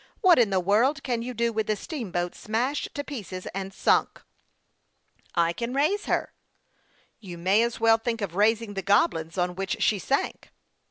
What in the world can you do with a steamboat smashed to pieces and sunk ?"" I can raise her." " You may as well think of raising the Goblins on which she sank."